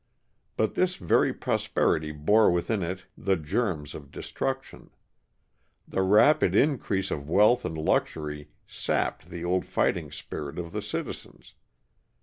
But this very prosperity bore within it the germs of destruction. The rapid increase of wealth and luxury sapped the old fighting spirit of the citizens.